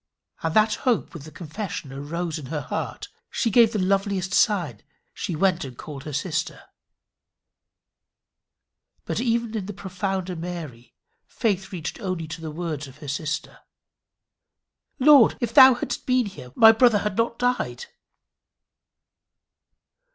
And that hope with the confession arose in her heart, she gave the loveliest sign: she went and called her sister. But even in the profounder Mary faith reached only to the words of her sister: "Lord, if thou hadst been here, my brother had not died."